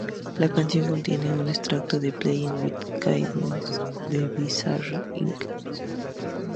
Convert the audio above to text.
La canción contiene un extracto de "Playing With Knives" de Bizarre Inc.